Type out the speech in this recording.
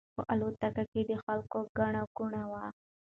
په الوتکه کې د خلکو ګڼه ګوڼه وه.